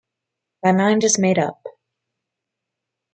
My mind is made up.